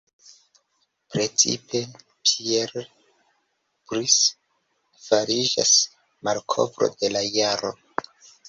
Precipe Pierre Brice fariĝas malkovro de la jaro.